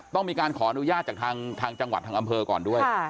ต้องมีการขออนุญาตจากทางจังหวัดทางอำเภอก่อนด้วย